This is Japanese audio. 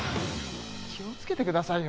気をつけてくださいよ。